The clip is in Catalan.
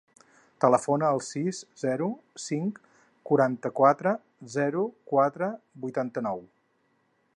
Telefona al sis, zero, cinc, quaranta-quatre, zero, quatre, vuitanta-nou.